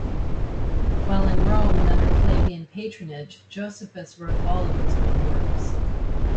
While in Rome and under Flavian patronage, Josephus wrote all of his known works.